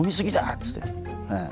っつって。